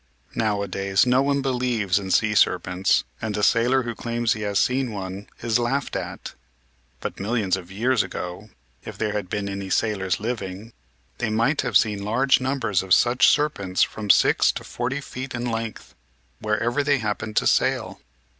Nowadays no one believes in sea serpents, and a sailor who claims he has seen one is laughed at. But millions of years ago, if there had been any sailors living, they might have seen large numbers of such serpents from six to forty feet in length, wherever they happened to sail.